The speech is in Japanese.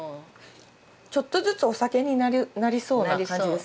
ちょっとずつお酒になりそうな感じです。